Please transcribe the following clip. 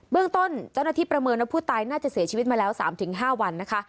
เรื่องต้นเจ้าหน้าที่ประเมินว่าผู้ตายน่าจะเสียชีวิตมาแล้ว๓๕วันนะคะ